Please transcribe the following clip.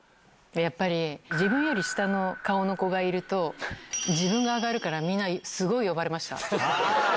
やっぱり、自分より下の顔の子がいると、自分が上がるから、みんな、すごい呼ばれました。